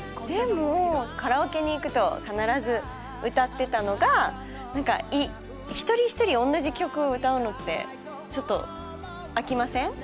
カラオケに行くと必ず歌ってたのが一人一人同じ曲歌うのってちょっと飽きません？